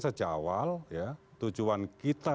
sejak awal tujuan kita